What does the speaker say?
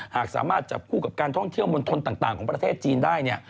หากสามารถจับคู่กับการท่องเที่ยวมณฑลต่างของประเทศจีนได้เนี่ย